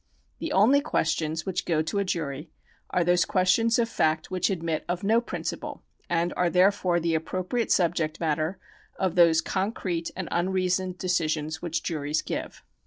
The only ques tions which go to a jury are those questions of fact which admit of no principle, and are therefore the appropriate subject matter of those concrete and unreasoned decisions which juries give.